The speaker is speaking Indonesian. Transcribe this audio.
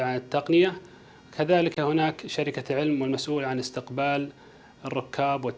untuk memperkenalkan para tamu awal ke kedai arab saudi